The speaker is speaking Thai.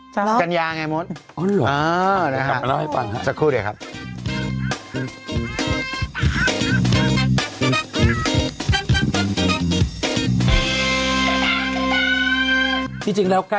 สมบัติเจ้าแม่กลควรอินกินเจียว่า